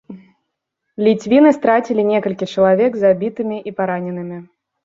Ліцвіны страцілі некалькі чалавек забітымі і параненымі.